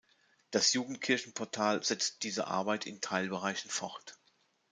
Das Jugendkirchen-Portal setzt diese Arbeit in Teilbereichen fort.